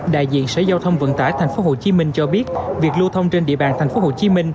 đại diện sở giao thông vận tải tp hcm cho biết việc lưu thông trên địa bàn tp hcm